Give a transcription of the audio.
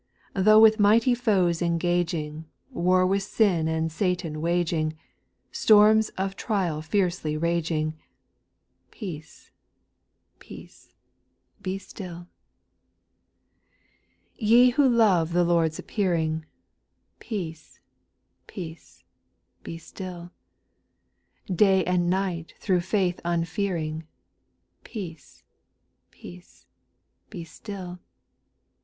Though with mighty foes engaging, War with sin and Satan waging. Storms of trial fiercely raging, Peace, peace, be still. SPIRITUAL SONGS. 414 4. Ye who love the Lord's appearing, Peace, peace, be still ; Day and night through faith unfearing, Peace, peace, be still.